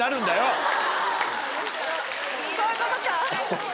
そういうことか！